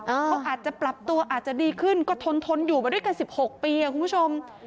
เขาอาจจะปรับตัวอาจจะดีขึ้นก็ทนทนอยู่มาด้วยกัน๑๖ปีคุณผู้ชม